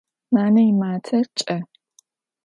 Nane yimate ç'e.